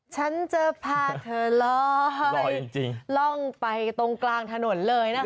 ฉันจะพาเธอลอยล่องไปตรงกลางถนนเลยนะคะ